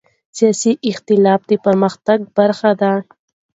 سیاسي اختلاف د پرمختګ برخه ده